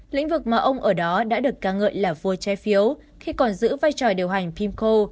lĩnh vực mà ông ở đó đã được ca ngợi là vua trái phiếu khi còn giữ vai trò điều hành pimco